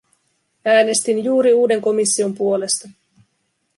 Äänestin juuri uuden komission puolesta.